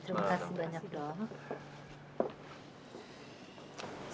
terima kasih banyak dok